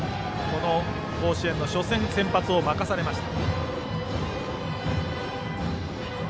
甲子園の初戦の先発を任されました。